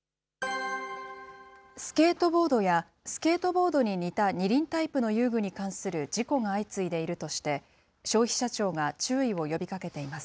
スケートボードや、スケートボードに似た２輪タイプの遊具に関する事故が相次いでいるとして、消費者庁が注意を呼びかけています。